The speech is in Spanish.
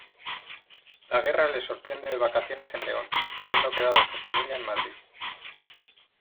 La Guerra le sorprende de vacaciones en León, habiendo quedado su familia en Madrid.